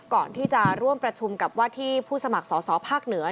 ก่อนที่จะร่วมประชุมกับว่าที่ผู้สมัครสอสอภาคเหนือ